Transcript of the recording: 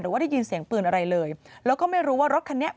ว่าได้ยินเสียงปืนอะไรเลยแล้วก็ไม่รู้ว่ารถคันนี้